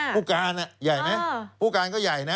ผู้การใหญ่ไหมผู้การก็ใหญ่นะ